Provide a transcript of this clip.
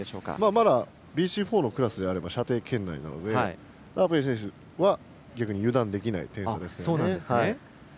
まだＢＣ４のクラスであれば射程圏内なので油断できない点差ですね。